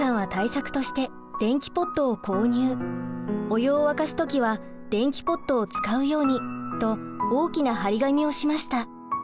「お湯を沸かす時は電気ポットを使うように」と大きな張り紙をしました。